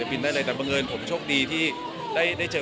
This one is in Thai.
คุณแม่น้องให้โอกาสดาราคนในผมไปเจอคุณแม่น้องให้โอกาสดาราคนในผมไปเจอ